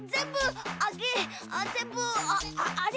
ああれ？